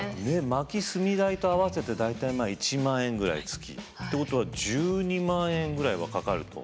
薪・炭代と合わせて大体１万円ぐらい月。ってことは１２万円ぐらいはかかると。